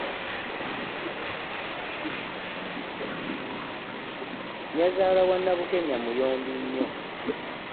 Nnyazaala wa Nabukenya muyombi nnyo.